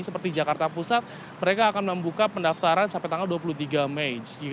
seperti jakarta pusat mereka akan membuka pendaftaran sampai tanggal dua puluh tiga mei